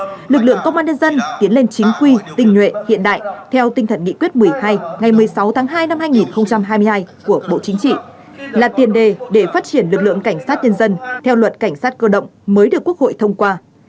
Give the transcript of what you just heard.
trong đó lực lượng công an nhân dân tiến lên chính quy tình nguyện hiện đại theo tinh thần nghị quyết một mươi hai ngày một mươi sáu tháng hai năm hai nghìn hai mươi hai của bộ chính trị là tiền đề để phát triển lực lượng cảnh sát nhân dân theo luật cảnh sát cơ động mới được quốc hội thông qua